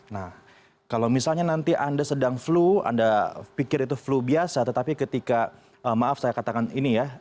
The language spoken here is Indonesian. nah kalau misalnya nanti anda sedang flu anda pikir itu flu biasa tetapi ketika maaf saya katakan ini ya